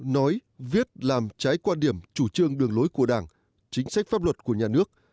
nói viết làm trái quan điểm chủ trương đường lối của đảng chính sách pháp luật của nhà nước